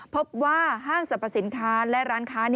พบว่าห้างสรรพสินค้าและร้านค้า